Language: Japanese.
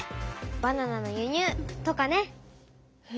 バナナの輸入とかね！へ！